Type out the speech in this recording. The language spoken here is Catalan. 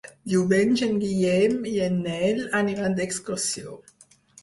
Diumenge en Guillem i en Nel aniran d'excursió.